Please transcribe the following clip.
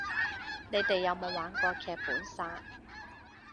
你哋有冇玩過劇本殺